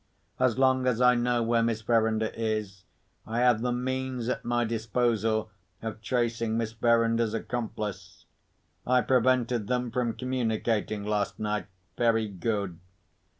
As long as I know where Miss Verinder is, I have the means at my disposal of tracing Miss Verinder's accomplice. I prevented them from communicating last night. Very good.